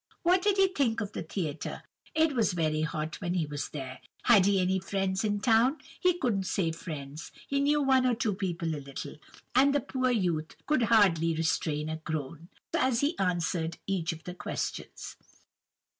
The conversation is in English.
What did he think of the theatre?—It was very hot when he was there. Had he any friends in the town?—He couldn't say friends—he knew one or two people a little. And the poor youth could hardly restrain a groan, as he answered each of the questions.